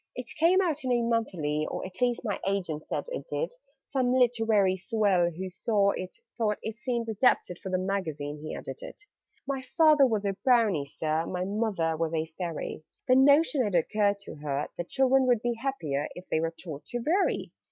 "It came out in a 'Monthly,' or At least my agent said it did: Some literary swell, who saw It, thought it seemed adapted for The Magazine he edited. "My father was a Brownie, Sir; My mother was a Fairy. The notion had occurred to her, The children would be happier, If they were taught to vary.